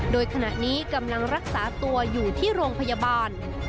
โดยขณะนี้กำลังรักษาตัวอยู่ที่โรงพยาบาล